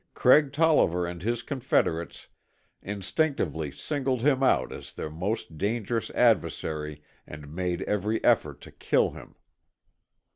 Craig Tolliver and his confederates instinctively singled him out as their most dangerous adversary and made every effort to kill him.